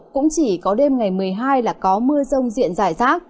cũng chỉ có đêm ngày một mươi hai là có mưa rông diện rải rác